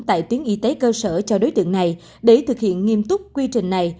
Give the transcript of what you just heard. tại tuyến y tế cơ sở cho đối tượng này để thực hiện nghiêm túc quy trình này